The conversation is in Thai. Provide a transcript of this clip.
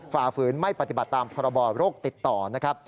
ฝ่าฝืนไม่ปฏิบัติตามพรบโรคติดต่อนะครับ